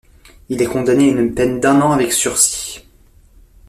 Il est condamné à une peine d'un an avec sursis.